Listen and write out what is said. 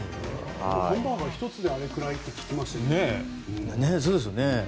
ハンバーガー１つであれくらいと聞きますよね。